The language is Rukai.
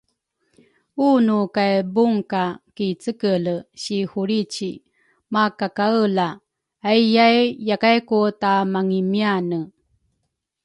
unu kay bunga ki cekele si hulrici makakaela, aiyae yakay ku tamangimiane.